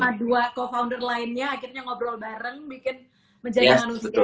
jadi kamu pertama dua co founder lainnya akhirnya ngobrol bareng bikin menjadi manusia ya